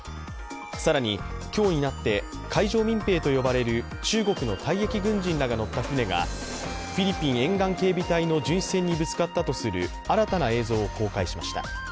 更に、今日になって海上民兵と呼ばれる中国の退役軍人らが乗った船がフィリピン沿岸警備隊の巡視船にぶつかったとする新たな映像を公開しました。